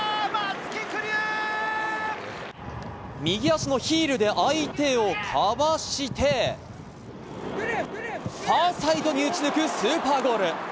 右足のヒールで相手をかわしてファーサイドに打ち抜くスーパーゴール。